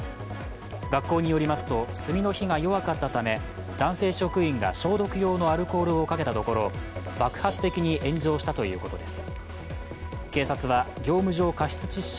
学校によりますと、炭の火が弱かったため、男性職員が消毒用アルコールをかけたところ爆発的に炎上したということです。